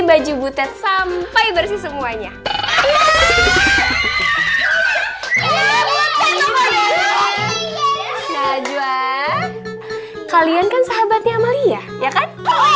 baju butet sampai bersih semuanya nah jua kalian kan sahabatnya amalia ya kan